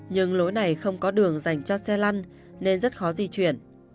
nhưng lối này không có đường dành cho xe lăn nên rất khó di chuyển